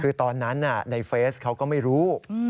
คือตอนนั้นในเฟซเขาก็ไม่รู้